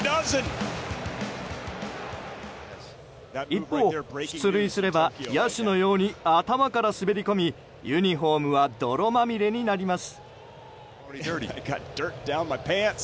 一方、出塁すれば野手のように頭から滑り込みユニホームは泥まみれになります。